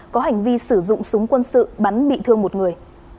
có hành vi sử dụng súng quân sự bắn bị thương một người